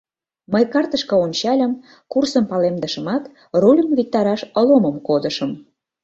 Мый картышке ончальым, курсым палемдышымат, рульым виктараш Ломым кодышым.